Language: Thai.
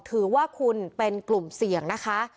ถือว่าคุณเป็นกลุ่มเสี่ยงนะคะ